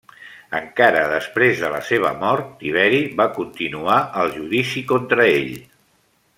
Encara després de la seva mort, Tiberi va continuar el judici contra ell.